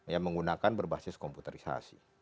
yang menggunakan berbasis komputerisasi